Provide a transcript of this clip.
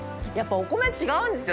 お米違うんですよ